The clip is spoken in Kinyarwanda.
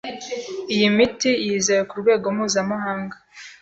Iyi miti yizewe ku rwego mpuzamahanga